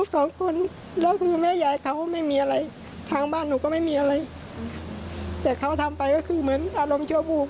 แต่เขาทำไปก็คือเหมือนอารมณ์ชั่วปุ่ง